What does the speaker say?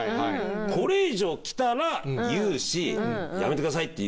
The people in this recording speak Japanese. これ以上きたら言うし「やめてください」って言う。